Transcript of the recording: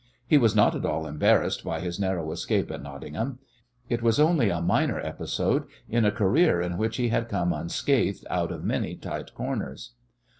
He was not at all embarrassed by his narrow escape at Nottingham. It was only a minor episode in a career in which he had come unscathed out of many tight corners.